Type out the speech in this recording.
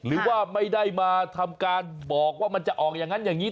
หรือว่าไม่ได้มาทำการบอกว่ามันจะออกอย่างนั้นอย่างนี้